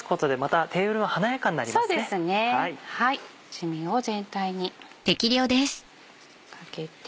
七味を全体にかけて。